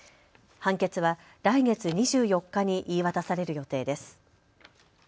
判決は来月２４日に言い渡される予定です。